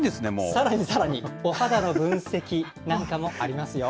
さらにさらに、お肌の分析なんかもありますよ。